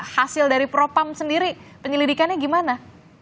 hasil dari propam sendiri penyelidikannya gimana